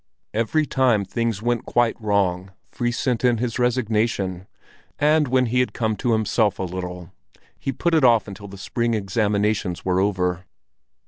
Every time things went quite wrong, Fris sent in his resignation, and when he had come to himself a little, he put it off until the spring examinations were over.